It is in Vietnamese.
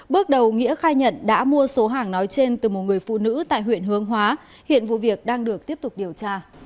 bước đầu nghĩa khai nhận đã mua số hàng nói trên từ một người phụ nữ tại huyện hướng hóa hiện vụ việc đang được tiếp tục điều tra